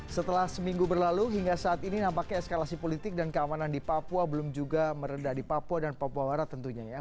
setelah seminggu berlalu hingga saat ini nampaknya eskalasi politik dan keamanan di papua belum juga meredah di papua dan papua barat tentunya ya